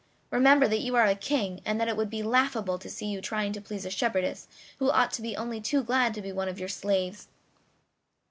Remember that you are a king, and that it would be laughable to see you trying to please a shepherdess, who ought to be only too glad to be one of your slaves.